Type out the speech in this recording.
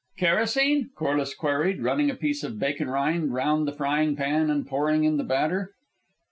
"Kerosene?" Corliss queried, running a piece of bacon rind round the frying pan and pouring in the batter.